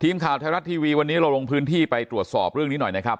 ทีมข่าวไทยรัฐทีวีวันนี้เราลงพื้นที่ไปตรวจสอบเรื่องนี้หน่อยนะครับ